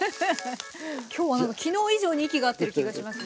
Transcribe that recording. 今日は何か昨日以上に息が合ってる気がしますね。